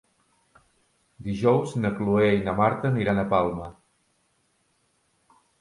Dijous na Cloè i na Marta aniran a Palma.